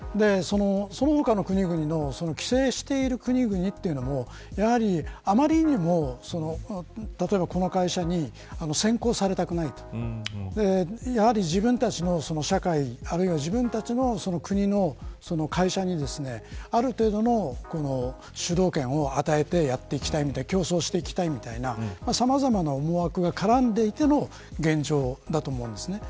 その他の国々の規制している国々というのもやはり、あまりにも例えばこの会社に先行されたくないとか自分たちの社会、あるいは自分たちの国の会社にある程度の主導権を与えてやっていきたい競争していきたいみたいなさまざまな思惑が絡んでいての現状だと思うんです。